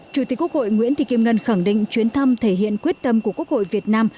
chủ tịch quốc hội nguyễn thị kim ngân khẳng định chuyến thăm thể hiện quyết tâm của quốc hội việt nam